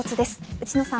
内野さん